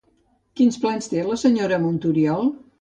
Quins plans té la senyora Montoriol?